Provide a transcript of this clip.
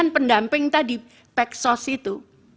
pendamping tadi peksos itu